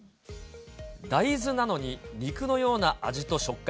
大豆なのに肉のような味と食感。